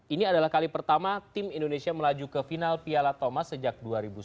ini adalah kali pertama tim indonesia melaju ke final piala thomas sejak dua ribu sepuluh